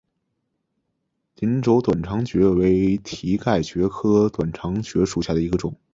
鳞轴短肠蕨为蹄盖蕨科短肠蕨属下的一个种。